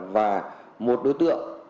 và một đối tượng